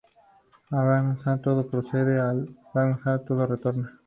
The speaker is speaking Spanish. Del Brahman todo procede, al Brahman todo retorna.